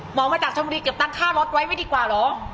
หมอว่าจากชนบุรีเก็บเงินค่าอาหารไว้ไว้ดีกว่าเหรอ